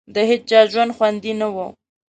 د هېچا ژوند خوندي نه وو.